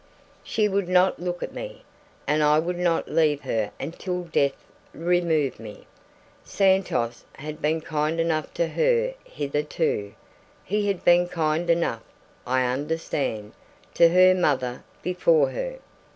She would not look at me. And I would not leave her until death removed me. Santos had been kind enough to her hitherto; he had been kind enough (I understand) to her mother before her.